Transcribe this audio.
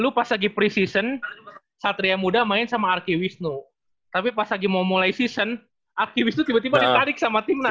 lu pas lagi pre season satria muda main sama arki wisnu tapi pas lagi mau mulai season aktivis itu tiba tiba ditarik sama timnas